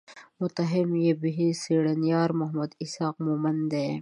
مهتمم یې څېړنیار محمد اسحاق مومند دی.